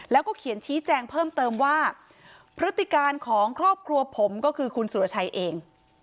แล้วก็เขียนชี้แจงเพิ่มเติมว่าพฤติการของครอบครัวผมก็คือคุณสุรชัยเอง